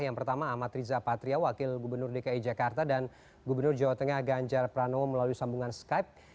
yang pertama amat riza patria wakil gubernur dki jakarta dan gubernur jawa tengah ganjar pranowo melalui sambungan skype